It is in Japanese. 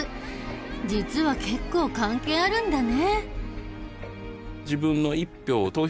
実は結構関係あるんだね。